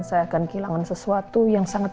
saya akan kehilangan sesuatu yang sangat